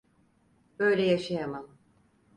Böyle yaşayamam.